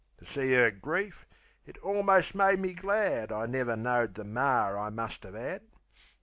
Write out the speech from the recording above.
To see 'er grief, it almost made me glad I never knowed the mar I must 'ave 'ad.